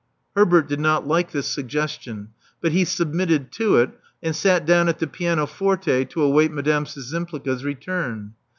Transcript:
Herbert did not like this suggestion; but he sub mitted to it, and sat down at the pianoforte to await Madame Szczyrapliga's return.